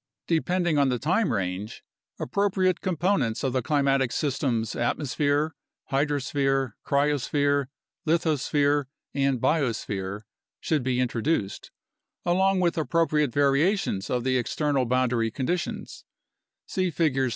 Depending on the time range, appropriate components of the climatic system's atmosphere, hydrosphere, cryo sphere, lithosphere, and biosphere should be introduced, along with appropriate variations of the external boundary conditions (see Figures 3.